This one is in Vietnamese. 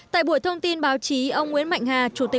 tại buổi thông tin báo chí ông nguyễn mạnh hà